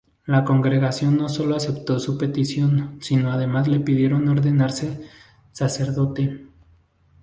La congregación no solo aceptó su petición sino que además le pidieron ordenarse sacerdote.